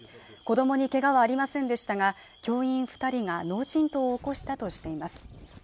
子どもに怪我はありませんでしたが教員二人が脳震盪を起こしたとしています